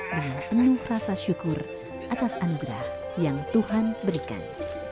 dengan penuh rasa syukur atas anugerah yang tuhan berikan